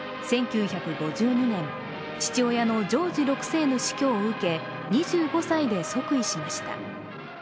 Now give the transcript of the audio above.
１９５２年、父親のジョージ６世の死去を受け、２５歳で即位しました。